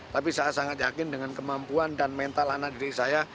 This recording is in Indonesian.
tapi saya sangat yakin dengan kemampuan dan mental anak diri saya